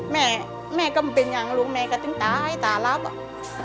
แม่แม่ก็เป็นอย่างลูกแม่ก็ถึงตายตารับอ่ะ